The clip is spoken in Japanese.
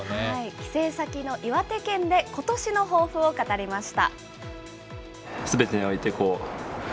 帰省先の岩手県でことしの抱負を語りました。